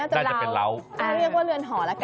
เนี่ยจะเรียกว่ารือนหอละกง